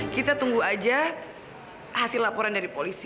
kita tunggu aja hasil laporan dari polisi